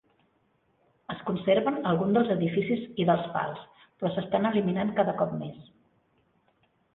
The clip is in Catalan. Es conserven alguns dels edificis i dels pals, però s'estan eliminant cada cop més.